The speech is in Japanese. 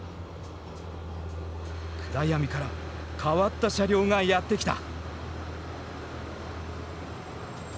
暗闇から変わった車両がやって来た！